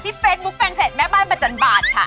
ที่เฟสบุ๊คแฟนเพจแม่บ้านบัจจันบาทค่ะ